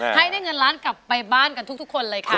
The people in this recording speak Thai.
ให้ได้เงินล้านกลับไปบ้านกันทุกคนเลยค่ะ